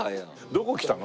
どこ来たの？